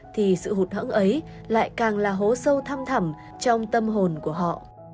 thì sự hụt hẫng ấy lại càng là hố sâu thăm trong tâm hồn của họ